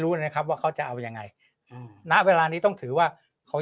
รู้นะครับว่าเขาจะเอายังไงอืมณเวลานี้ต้องถือว่าเขา